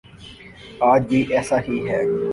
آج بھی ایسا ہی ہے۔